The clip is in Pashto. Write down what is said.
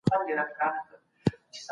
يو او بل دي خپل ښه عادتونه سره بيان کړي.